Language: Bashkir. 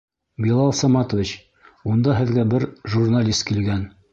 Билал Саматович, унда һеҙгә бер журналист килгән.